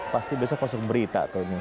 pasti besok masuk berita tuh